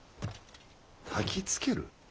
たきつける？